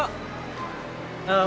saya diskon kok